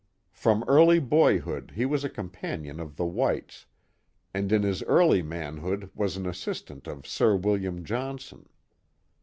From early boyhood he was a companion of the whites, and in his early manhood was an assistant of Sir William Johnson.